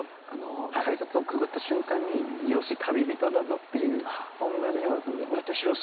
改札をくぐった瞬間に「よし旅人だぞ」っていうそんなニュアンスの。